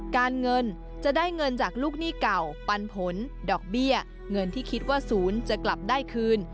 การเงินจะได้เงินจากลูกหนี้เก่าปันผลดอกเบี้ยเงินที่คิดว่าศูนย์จะกลับได้คืน